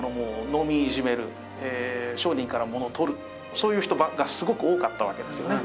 そういう人ばっかすごく多かったわけですよね。